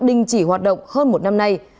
đình chỉ hoạt động hơn một năm nay